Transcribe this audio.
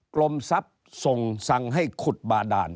กรมทรัพย์ส่งสั่งให้ขุดบาดาน